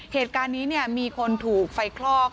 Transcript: เหตุการณ์นี้มีคนถูกไฟคลอก